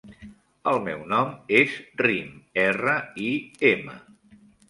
El meu nom és Rim: erra, i, ema.